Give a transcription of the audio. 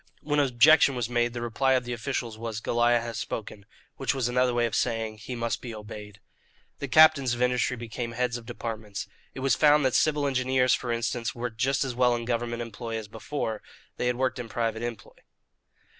When objection was made, the reply of the officials was "Goliah has spoken" which was another way of saying, "He must be obeyed." The captains of industry became heads of departments. It was found that civil engineers, for instance, worked just as well in government employ as before, they had worked in private employ.